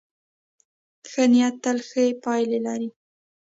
ښه نیت تل ښې پایلې لري.